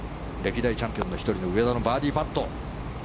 歴代チャンピオンの１人の上田のバーディーパット。